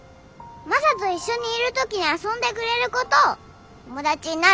マサと一緒にいる時に遊んでくれる子と友達になる。